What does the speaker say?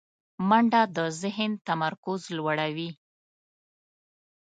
منډه د ذهن تمرکز لوړوي